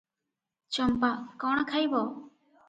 ଚମ୍ପା - କଣ ଖାଇବ?